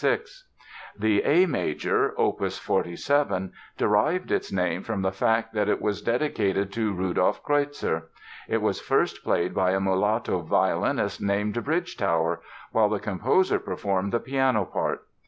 The A major, opus 47, derived its name from the fact that it was dedicated to Rudolph Kreutzer. It was first played by a mulatto violinist named Bridgetower, while the composer performed the piano part.